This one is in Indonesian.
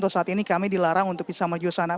seperti saat ini kami dilarang untuk bisa menuju sana